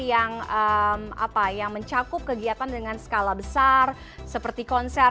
yang mencakup kegiatan dengan skala besar seperti konser